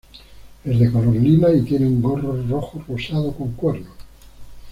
Es de color lila y tiene un gorro rojo rosado con cuernos.